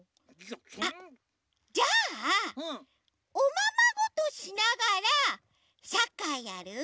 あっじゃあおままごとしながらサッカーやる？